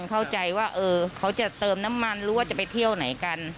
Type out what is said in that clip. เข้าใจว่าเขาจะเติมน้ำมันหรือว่าจะไปเที่ยวไหนกัน